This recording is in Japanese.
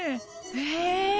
へえ！